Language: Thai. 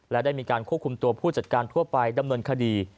และได้มีการควบคุมตัวผู้จัดการทั่วไปดำเนินคดี